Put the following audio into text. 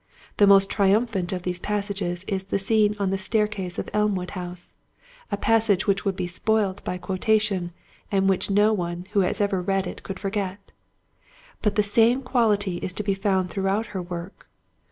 The most triumphant of these passages is the scene on the staircase of Elmwood House—a passage which would be spoilt by quotation and which no one who has ever read it could forget. But the same quality is to be found throughout her work.